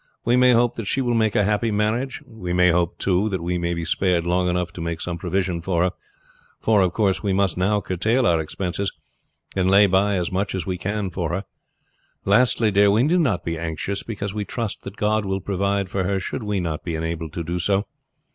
We may hope that she will make a happy marriage. We may hope too that we may be spared long enough to make some provision for her, for, of course, we must now curtail our expenses and lay by as much as we can for her. Lastly, dear, we need not be anxious; because we trust that God will provide for her should we not be enabled to do so.